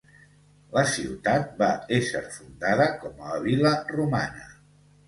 La ciutat va ésser fundada com a vil·la romana.